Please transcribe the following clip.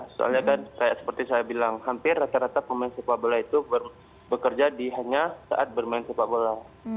soalnya kan seperti saya bilang hampir rata rata pemain sepak bola itu bekerja hanya saat bermain sepak bola